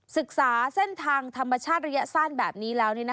ศึกษาเส้นทางธรรมชาติระยะสั้นแบบนี้แล้ว